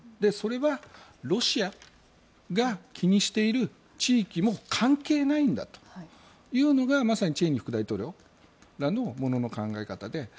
それはロシアが気にしている地域も関係ないんだというのがまさにチェイニー副大統領らの物の考え方で。